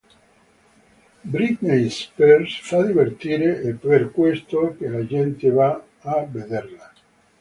Britney Spears fa divertire, è per questo che la gente va a vederla.